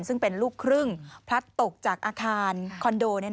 ซึ่งเป็นลูกครึ่งพลัดตกจากอาคารคอนโด